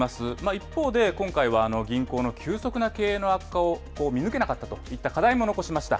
一方で今回は、銀行の急速な経営の悪化を見抜けなかったといった課題も残しました。